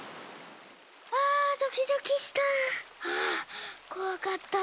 はあドキドキした。